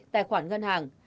tài khoản ngân hàng